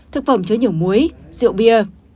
thực phẩm chứa nhiều muối rượu bia